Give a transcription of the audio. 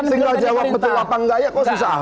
sehingga jawab betul apa enggak ya kok susah amat